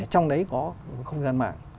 trong đấy có không gian mạng